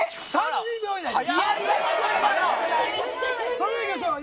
それではいきましょう。